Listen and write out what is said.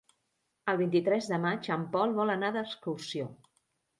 El vint-i-tres de maig en Pol vol anar d'excursió.